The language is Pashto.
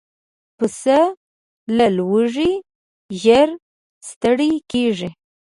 پسه له لوږې ژر ستړی کېږي.